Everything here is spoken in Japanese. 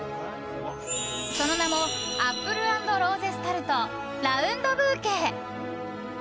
その名もアップル＆ローゼスタルトラウンドブーケ。